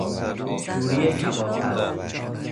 توری کباب پز